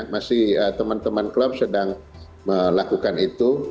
masih teman teman klub sedang melakukan itu